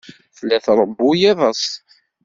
Tella tṛewwu iḍes.